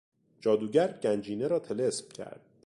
جادوگر گنجینه را طلسم کرد.